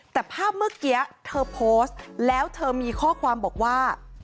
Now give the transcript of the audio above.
แต่ภาพเมื่อกี้เธอโพสต์แล้วเธอมีข้อความบอกว่า